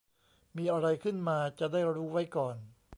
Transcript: มีอะไรขึ้นมาจะได้รู้ไว้ก่อน